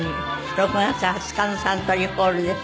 ６月２０日のサントリーホールです。